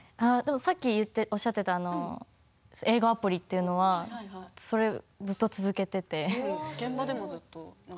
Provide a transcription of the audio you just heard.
さっき、おっしゃっていた英語アプリというのはずっと続けています。